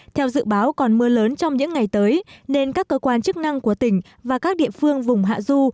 theo dự báo còn mưa lớn trong những ngày tới nên các cơ quan chức năng của tỉnh và các địa phương vùng hạ du